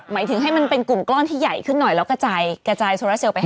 หมายถึงให้มันเป็นกลุ่มก้อนที่ใหญ่ขึ้นหน่อยแล้วกระจายกระจายโซลาเซลไปให้